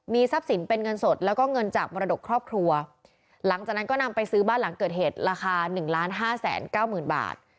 ทรัพย์สินเป็นเงินสดแล้วก็เงินจากมรดกครอบครัวหลังจากนั้นก็นำไปซื้อบ้านหลังเกิดเหตุราคาหนึ่งล้านห้าแสนเก้าหมื่นบาท